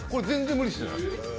全然無理してない。